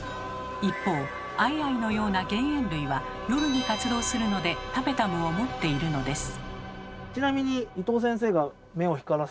一方アイアイのような原猿類は夜に活動するのでタペタムを持っているのです。